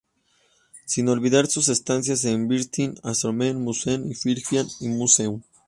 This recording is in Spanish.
Sin olvidar sus estancias en British, Ashmolean Museum, Fitzwilliam Museum.